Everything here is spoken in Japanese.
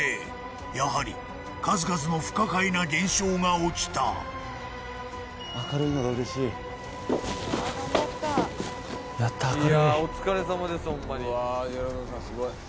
やはり数々の不可解な現象が起きた明るいのが嬉しい